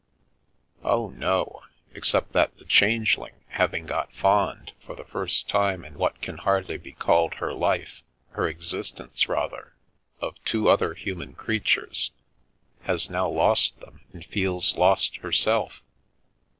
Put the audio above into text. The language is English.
"Oh, no. Except that the Changeling, having got fond, for the first time in what can hardly be called her life, her existence, rather— of two other human crea tures, has now lost them and feels lost herself.